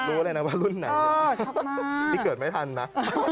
รู้เลยนะว่ารุ่นไหนชอบมากนี่เกิดไม่ทันนะ